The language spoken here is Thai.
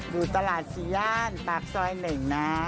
อยู่ตลาดสี่ย่านปากซอย๑นะ